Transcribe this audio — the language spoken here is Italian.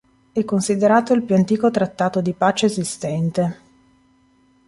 È considerato il più antico trattato di pace esistente.